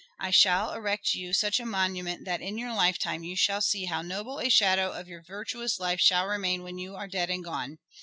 ... I shall erect you such a monument that in your lifetime you shall see how noble a shadow of your virtuous life shall remain when you are dead and gone.